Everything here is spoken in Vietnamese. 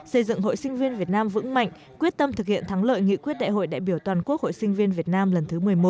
xây dựng hội sinh viên việt nam vững mạnh quyết tâm thực hiện thắng lợi nghị quyết đại hội đại biểu toàn quốc hội sinh viên việt nam lần thứ một mươi một